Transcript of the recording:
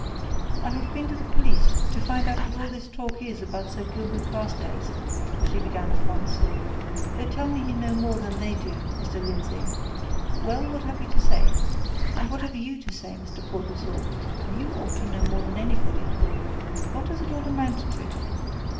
"I have been to the police, to find out what all this talk is about Sir Gilbert Carstairs," she began at once. "They tell me you know more than they do, Mr. Lindsey. Well, what have you to say? And what have you to say, Mr. Portlethorpe? You ought to know more than anybody. What does it all amount to!"